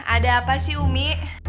ada apa sih umi